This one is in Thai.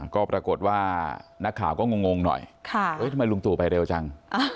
ก็ปรากฏว่านักข่าวก็งงหน่อยทำไมลุงตู่ไปเร็วจัง